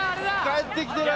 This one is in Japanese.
帰ってきてる。